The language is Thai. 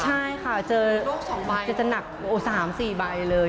ใช่ค่ะเจอสองใบโดดสองใบแต่จะหมา๓๔ใบเลย